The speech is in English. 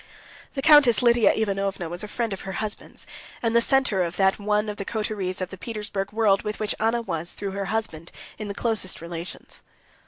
The Countess Lidia Ivanovna was a friend of her husband's, and the center of that one of the coteries of the Petersburg world with which Anna was, through her husband, in the closest relations.